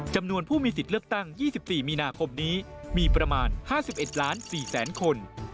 จำนวนผู้มีสิทธิ์เลือกตั้ง๒๔มีนาคมนี้มีประมาณ๕๑ล้าน๔แสนคน